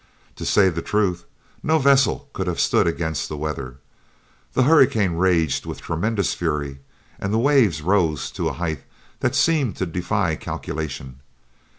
To say the truth, no vessel could have stood against the weather. The hurricane raged with tremendous fury, and the waves rose to a height that seemed to defy calculation.